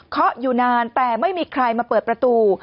เขาอยู่นานแต่ไม่มีใครมาเปิดประตู